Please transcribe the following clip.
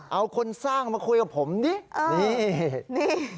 เอาคนสร้างมาคุยกับผมดินี่นี่